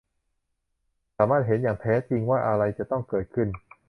ฉันสามารถเห็นอย่างแท้จริงว่าอะไรจะต้องเกิดขึ้น